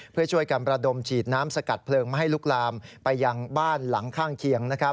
เพื่อช่วยกันประดมฉีดน้ำสกัดเพลิงไม่ให้ลุกลามไปยังบ้านหลังข้างเคียง